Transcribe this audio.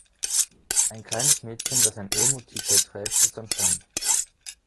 Ein kleines Mädchen, das ein Elmo-T-Shirt trägt, ist am Strand.